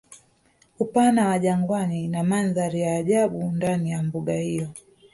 Upana wa jangwani na Mandhari ya ajabu ndani ya mbuga hiyo